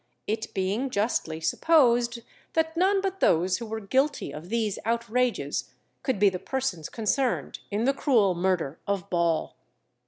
it being justly supposed that none but those who were guilty of these outrages could be the persons concerned in the cruel murder of Ball.